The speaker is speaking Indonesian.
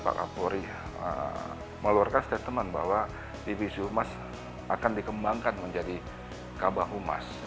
pak kapolri meluarkan statement bahwa divisi humas akan dikembangkan menjadi kabah humas